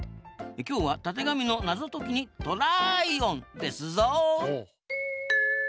今日はたてがみの謎解きにトライオン！ですぞ！